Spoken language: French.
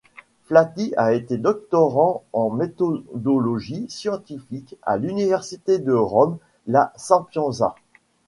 Flati a été doctorant en méthodologie scientifique à l'université de Rome La Sapienza.